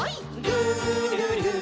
「るるる」